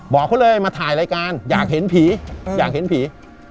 บอกเขาเลยมาถ่ายรายการอยากเห็นผีอยากเห็นผี